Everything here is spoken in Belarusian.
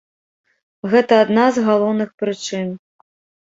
Гэта адна з галоўных прычын.